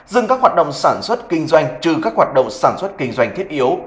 dừng các hoạt động sản xuất kinh doanh trừ các hoạt động sản xuất kinh doanh thiết yếu